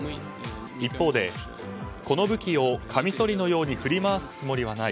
一方で、この武器をカミソリのように振り回すつもりはない。